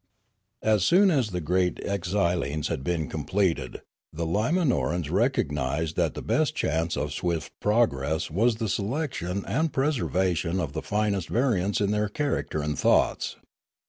As soon as the great exilings had been completed, the Limanorans recognised that the best chance of swift progress was the selection and preservation of the finest Hermitry 39 variants in their character and thoughts.